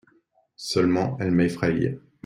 Seulement elle m'effraye.